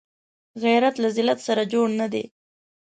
غیرت له ذلت سره جوړ نه دی